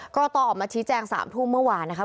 กรตออกมาชี้แจง๓ทุ่มเมื่อวานนะครับ